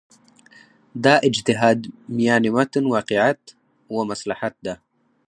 دا اجتهاد میان متن واقعیت و مصلحت ده.